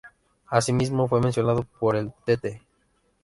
Así mismo fue mencionado por el Tte.